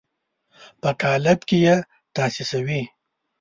په قالب کې یې تاسیسوي.